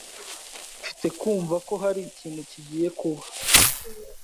Mfite kumva ko hari ikintu kigiye kuba .